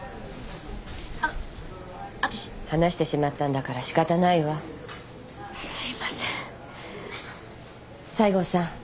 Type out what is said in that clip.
あの私話してしまったんだからしかたないわすいません西郷さん